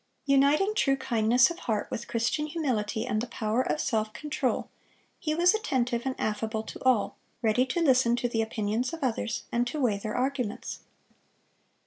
Uniting true kindness of heart with Christian humility and the power of self control, he was attentive and affable to all, ready to listen to the opinions of others, and to weigh their arguments.